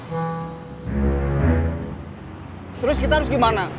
mas mas terus kita harus gimana